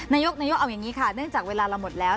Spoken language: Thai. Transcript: นายกนายกเอาอย่างนี้ค่ะเนื่องจากเวลาเราหมดแล้ว